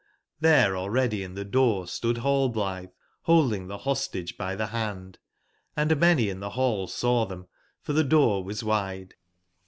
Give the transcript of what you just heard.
tbere already in tbe door stood HallbUtbe bolding tbe Hostage by tbe band ;& many in tbe ball saw tbem, for tbe door was wide.